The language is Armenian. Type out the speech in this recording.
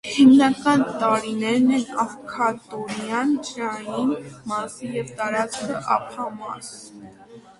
Հիմնական տարրերն են աքվատորիան (ջրային մաս) և տարածքը (ափամաս)։